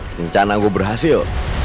rencana gue berhasil